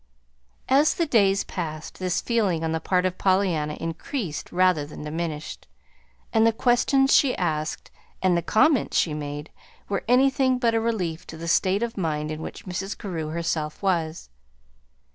As the days passed, this feeling on the part of Pollyanna increased rather than diminished; and the questions she asked and the comments she made were anything but a relief to the state of mind in which Mrs. Carew herself was.